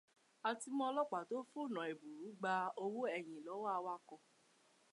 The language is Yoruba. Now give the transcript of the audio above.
A tí mú Ọlọ́páà to f'ọ̀nà ẹ̀bùrú gba owó ẹ̀yìn lọ́wọ́ awakọ̀.